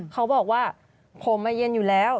เขาบอกว่าผมมาเย็นอยู่แล้ว